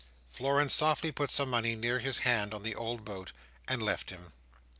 Florence softly put some money near his hand on the old boat, and left him.